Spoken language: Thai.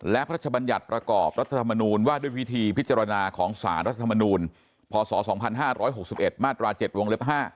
และพระราชบัญญัติประกอบรัฐธรรมนูญว่าด้วยวิธีพิจารณาของสารรัฐธรรมนูลพศ๒๕๖๑มาตรา๗วงเล็บ๕